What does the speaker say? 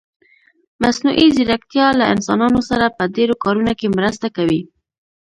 مصنوعي ځيرکتيا له انسانانو سره په ډېرو کارونه کې مرسته کوي.